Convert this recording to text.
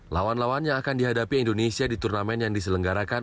lawan lawan yang akan dihadapi indonesia di turnamen yang diselenggarakan